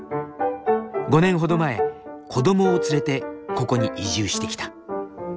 ５年ほど前子どもを連れてここに移住してきた。